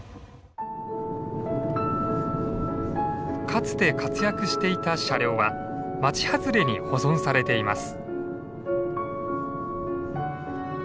かつて活躍していた車両は町外れに保存されています。